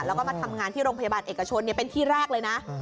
แล้วก็มาทำงานที่โรงพยาบาลเอกชนเป็นที่แรกเลยนะ